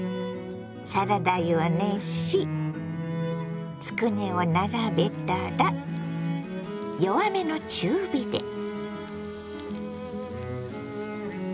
サラダ油を熱しつくねを並べたら弱めの中火で。